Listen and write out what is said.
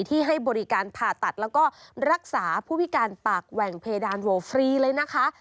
ให้บริการผ่าตัดแล้วก็รักษาผู้พิการปากแหว่งเพดานโวฟรีเลยนะคะ